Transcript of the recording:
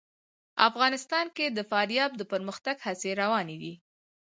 افغانستان کې د فاریاب د پرمختګ هڅې روانې دي.